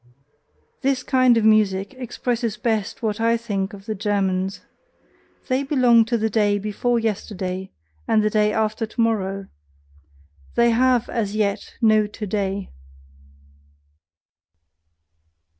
This kind of music expresses best what I think of the Germans: they belong to the day before yesterday and the day after tomorrow THEY HAVE AS YET NO TODAY.